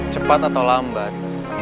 cepat atau lambat